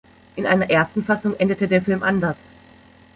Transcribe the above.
In einer ersten Fassung endete der Film anders.